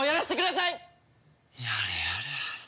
やれやれ。